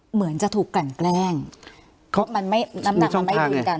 เหมือนจะถูกแกล้งแกล้งเพราะมันไม่มีช่องทางไง